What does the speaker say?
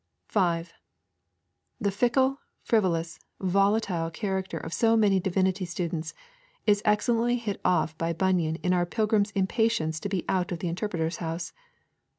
5. The fickle, frivolous, volatile character of so many divinity students is excellently hit off by Bunyan in our pilgrim's impatience to be out of the Interpreter's House.